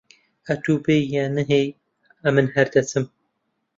ئەتوو بێی یان نەهێی، ئەمن هەر دەچم.